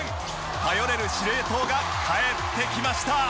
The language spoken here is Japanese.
頼れる司令塔が帰ってきました。